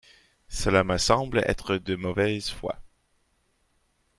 Cela me semble être de mauvaise foi.